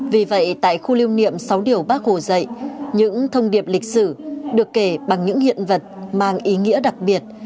vì vậy tại khu lưu niệm sáu điều bác hồ dạy những thông điệp lịch sử được kể bằng những hiện vật mang ý nghĩa đặc biệt